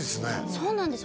そうなんです